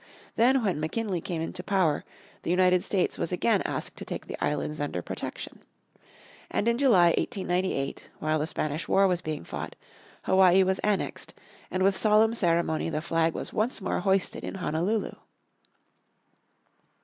Then when McKinley came into power the United States was again asked to take the islands under protection. And in July, 1898, while the Spanish War was being fought, Hawaii was annexed, and with solemn ceremony the flag was once more hoisted in Honolulu.